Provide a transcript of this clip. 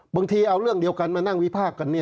บางทีเอาเรื่องเดียวกันมานั่งวิพากษ์กัน